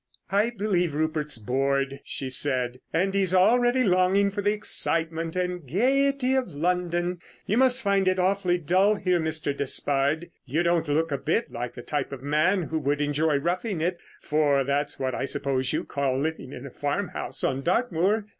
"I believe Rupert's bored," she said, "and he's already longing for the excitement and gaiety of London. You must find it awfully dull here, Mr. Despard. You don't look a bit like the type of man who would enjoy roughing it—for that's what I suppose you call living in a farmhouse on Dartmoor."